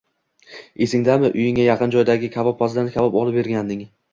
Esingdami, uyingga yaqin joydagi kabobpazdan kabob olib berganding